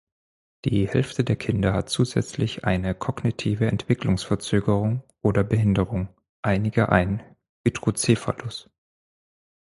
Die Hälfte der Kinder hat zusätzlich eine kognitive Entwicklungsverzögerung oder -behinderung, einige einen Hydrocephalus.